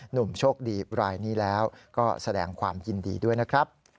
หนุ่มโชคดีรายนี้แล้วก็แสดงความยินดีด้วยนะครับ